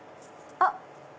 あっ！